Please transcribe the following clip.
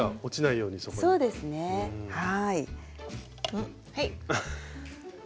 うんはい。